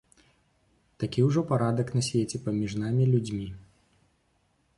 Такі ўжо парадак на свеце паміж намі, людзьмі.